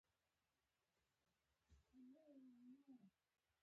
سلای فاکس وویل چې موږ به له یوه پټي تیریږو